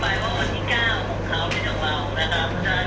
แต่ผมก็ทำงานทัศนกฏินะครับได้ตัวไหนก็ไม่รู้เลยนะครับ